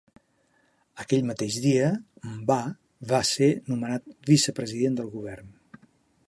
Aquell mateix dia, M'ba va ser nomenat vicepresident del govern.